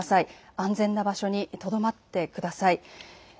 安全な場所にとどまってください。